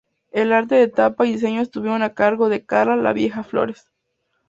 El arte de tapa y diseño estuvieron a cargo de Carla "La Vieja" Flores.